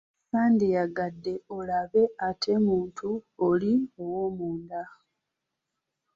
Sandiyagadde olabe ate muntu oli ow'omunda.